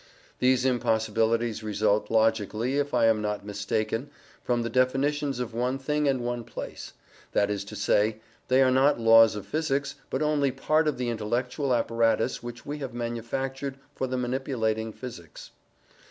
These impossibilities result logically, if I am not mistaken, from the definitions of one thing and one place. That is to say, they are not laws of physics, but only part of the intellectual apparatus which we have manufactured for manipulating physics.